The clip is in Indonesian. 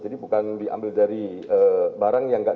jadi bukan diambil dari barang yang gagal